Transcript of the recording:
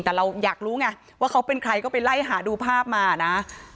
แต่เราอยากรู้ไงว่าเขาเป็นใครก็ไปไล่หาดูภาพมานะ